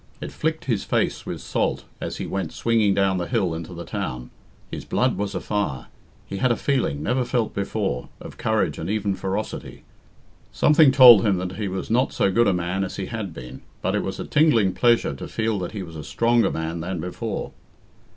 It flicked his face with salt as he went swinging down the hill into the town. His blood was a fire. He had a feeling, never felt before, of courage and even ferocity. Something told him that he was not so good a man as he had been, but it was a tingling pleasure to feel that he was a stronger man than before.